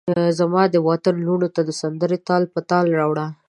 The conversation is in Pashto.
زمادوطن لوڼوته سندرې تال په تال راوړه